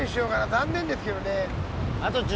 残念ですけどね。